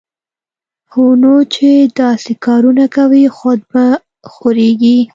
هونو چې داسې کارونه کوی، خود به خوږېږې